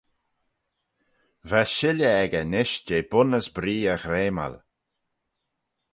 Va shilley echey nish jeh bun as bree e ghreamal.